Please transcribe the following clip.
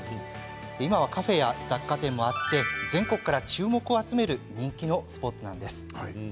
今はカフェや雑貨店もあって全国から注目を集める人気のスポットなんです。